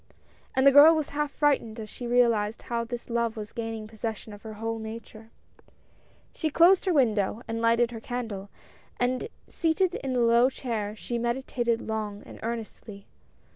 And the girl was half frightened as she realized how this love was gaining possession of her whole nature. She closed her window and lighted her candle, and seated in a low chair she meditated long and earnestly.